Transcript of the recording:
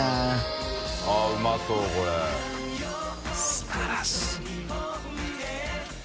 素晴らしい。